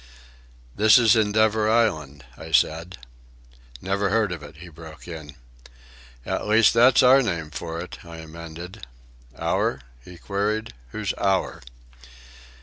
"This is Endeavour Island," I said. "Never heard of it," he broke in. "At least, that's our name for it," I amended. "Our?" he queried. "Who's our?"